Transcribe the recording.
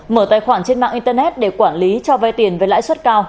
mở tài khoản trên mạng internet để quản lý cho vay tiền với lãi suất cao